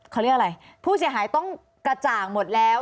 เขาเรียกอะไรผู้เสียหายต้องกระจ่างหมดแล้ว